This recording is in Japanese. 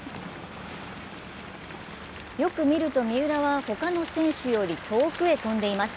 よく見ると三浦は他の選手より遠くへ飛んでいます。